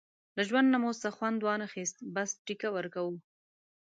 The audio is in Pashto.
له ژوند نه مو څه وخوند وانخیست، بس دیکه ورکوو.